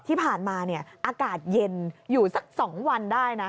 ที่ผ่านมาอากาศเย็นอยู่สัก๒วันได้นะ